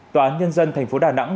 tòa án nhân dân thành phố đà nẵng